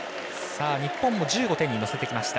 日本も１５点に乗せてきました。